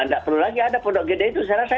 nggak perlu lagi ada podok gede itu saya rasa